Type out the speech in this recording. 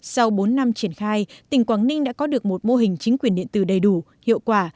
sau bốn năm triển khai tỉnh quảng ninh đã có được một mô hình chính quyền điện tử đầy đủ hiệu quả